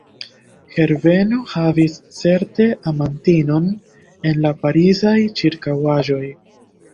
Herbeno havis certe amantinon en la Parizaj ĉirkaŭaĵoj.